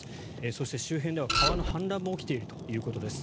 そして周辺では川の氾濫も起きているということです。